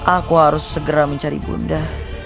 aku harus segera mencari bunda